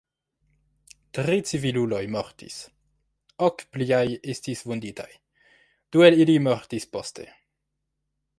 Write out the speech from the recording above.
Tri civiluloj mortis, ok pliaj estis vunditaj, du el ili mortis poste.